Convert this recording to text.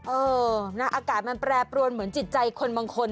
เออนะอากาศมันแปรปรวนเหมือนจิตใจคนบางคน